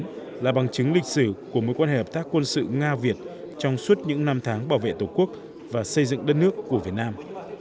đây là bằng chứng lịch sử của mối quan hệ hợp tác quân sự nga việt trong suốt những năm tháng bảo vệ tổ quốc và xây dựng đất nước của việt nam